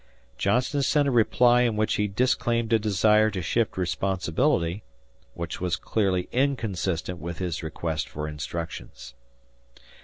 Johnston sent a reply in which he disclaimed a desire to shift responsibility which was clearly inconsistent with his request for instructions.